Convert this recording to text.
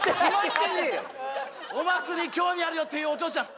お祭り興味あるよっていうお嬢ちゃん